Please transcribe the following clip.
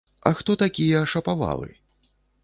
А хто такія шапавалы?